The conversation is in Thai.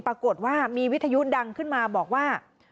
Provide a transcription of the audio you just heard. ปรากฏว่ามีวิทยุดังขึ้นมาบอกว่า